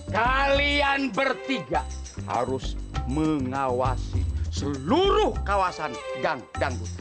kalian bertiga harus mengawasi seluruh kawasan gang dandun